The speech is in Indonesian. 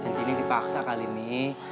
centini dipaksa kali ini